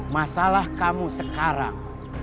masalah kamu sekarang